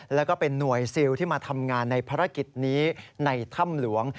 แล้วก็เป็นหน่วยซิลที่มาทำงานในภารกิจนี้ในถ้ำหลวง